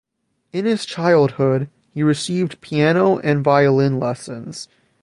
In his childhood he received piano and violin lessons.